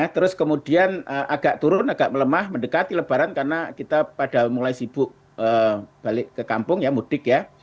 terus kemudian agak turun agak melemah mendekati lebaran karena kita pada mulai sibuk balik ke kampung ya mudik ya